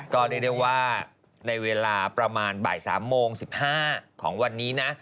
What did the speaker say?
ก็เรียกได้ว่าในเวลาประมาณบ่าย๓โมง๑๕ของวันนี้นะ